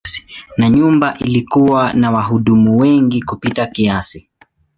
Na nyumba ilikuwa na wahudumu wengi kupita kiasi.